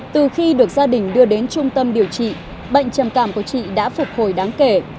từ khi được gia đình đưa đến trung tâm điều trị bệnh trầm cảm của chị đã phục hồi đáng kể